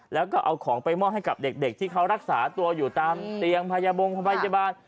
แล้วก็เอาของไปมอบให้กับเด็กที่เขารักษาตัวอยู่ตามเตียงพยาบงพยาบาล